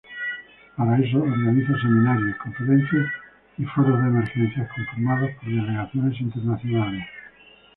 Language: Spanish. Para eso organiza seminarios, conferencias y foros de emergencia conformados por delegaciones internacionales.